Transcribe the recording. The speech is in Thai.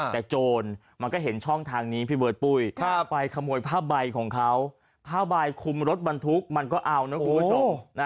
แต่โจรมันก็เห็นช่องทางนี้พี่เบิร์ดปุ้ยไปขโมยผ้าใบของเขาผ้าใบคุมรถบรรทุกมันก็เอานะคุณผู้ชม